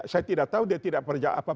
saya tidak tahu dia tidak percaya apa